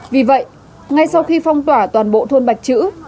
vì vậy ngay sau khi phong tỏa toàn bộ thôn bạch chữ